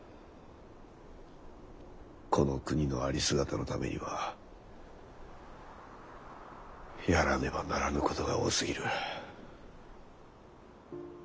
この国のありすがたのためにはやらねばならぬことが多すぎる。